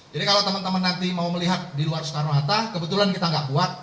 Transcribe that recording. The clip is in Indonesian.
jadi kalau teman teman nanti mau melihat di luar soekarno hatta kebetulan kita gak buat